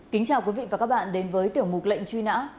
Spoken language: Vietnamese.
kính chào quý vị và các bạn đến với tiểu mục lệnh truy nã